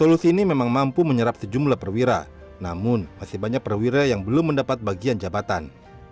solusi ini memang mampu menyerap sejumlah perwira namun masih banyak perwira yang belum mendapat bagian jabatan